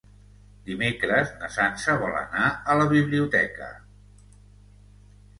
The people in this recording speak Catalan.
Dimecres na Sança vol anar a la biblioteca.